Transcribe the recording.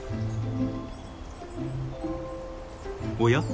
おや？